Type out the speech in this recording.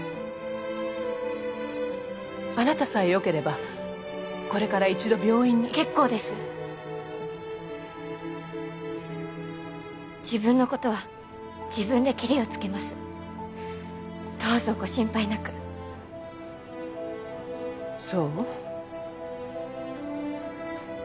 あなたさえよければこれから一度病院に結構です自分のことは自分でケリをつけますどうぞご心配なくそう？